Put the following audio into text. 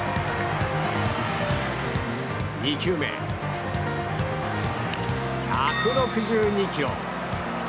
２球目、１６２キロ。